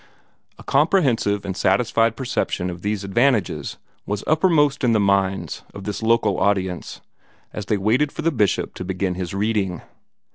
A comprehensive and satisfied perception of these advantages was uppermost in the minds of this local audience, as they waited for the Bishop to begin his reading.